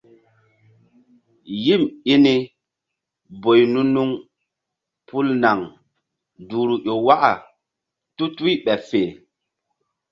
Yim i ni boy nu-nuŋ pul naŋ duhru ƴo waka tutuy ɓeɓ fe.